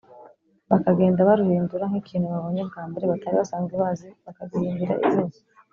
bakagenda baruhindura. nk’ikintu babonye bwambere batari basanzwe bazi, bakagihimbira izina